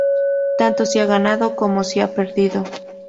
Tanto si ha ganado como si ha perdido.